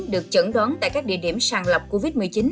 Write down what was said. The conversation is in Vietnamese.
được chẩn đoán tại các địa điểm sàng lọc covid một mươi chín